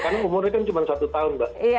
karena umurnya kan cuma satu tahun mbak